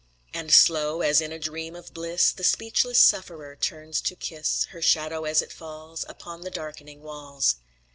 And slow, as in a dream of bliss The speechless sufferer turns to kiss Her shadow as it falls Upon the darkening walls.